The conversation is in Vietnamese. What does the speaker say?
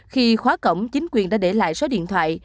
khi khóa cổng chính quyền đã để lại số điện thoại